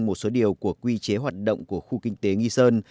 một số điều của quy chế hoạt động của khu kinh tế nghi sơn